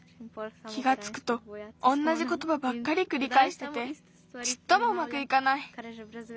気がつくとおんなじことばばっかりくりかえしててちっともうまくいかない。